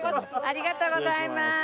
ありがとうございます。